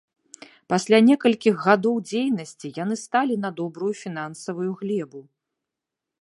Пасля некалькіх гадоў дзейнасці яны сталі на добрую фінансавую глебу.